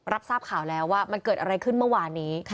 รับทราบข่าวแล้วว่ามันเกิดอะไรขึ้นเมื่อวานนี้